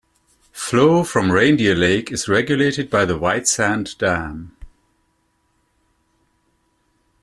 Flow from Reindeer Lake is regulated by the Whitesand Dam.